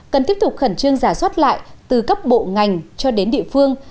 cần tiếp tục khẩn trương giả soát lại từ cấp bộ ngành cho đến địa phương